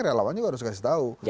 relawannya harus dikasih tahu